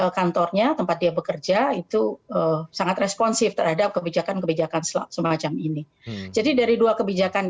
kantornya tempat dia bekerja itu sangat responsif terhadap kebijakan kebijakan semacam ini jadi dari dua kebijakan